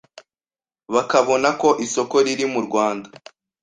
bakabona ko isoko riri mu Rwanda,